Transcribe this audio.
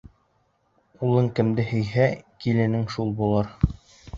Улың кемде һөйһә, киленең шул булыр